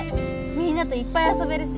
みんなといっぱい遊べるし。